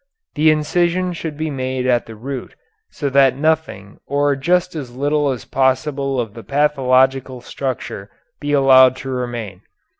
The incision should be made at the root so that nothing or just as little as possible of the pathological structure be allowed to remain.